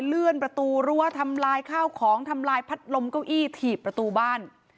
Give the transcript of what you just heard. เลื่อนประตูรั้วทำลายข้าวของทำลายพัดลมเก้าอี้ถีบประตูบ้าน